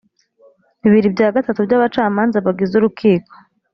bibiri bya gatatu by abacamanza bagize urukiko